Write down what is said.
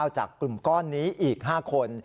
จากกลุ่มก้อนนี้อีก๕คน